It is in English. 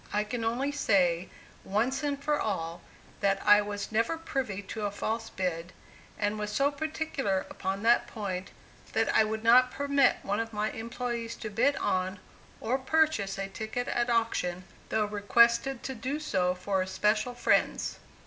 I can only say, once for all, that I was never privy to a false bid, and was so particular upon that point, that I would not permit one of my employees to bid on, or purchase a ticket at auction, though requested to do so for especial friends.